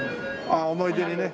あっ思い出にね